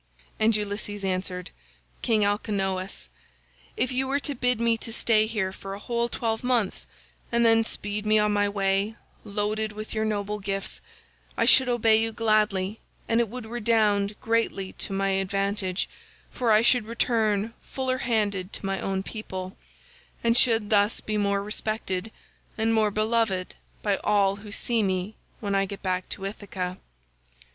And Ulysses answered, "King Alcinous, if you were to bid me to stay here for a whole twelve months, and then speed me on my way, loaded with your noble gifts, I should obey you gladly and it would redound greatly to my advantage, for I should return fuller handed to my own people, and should thus be more respected and beloved by all who see me when I get back to Ithaca."